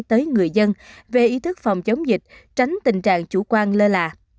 tới người dân về ý thức phòng chống dịch tránh tình trạng chủ quan lơ là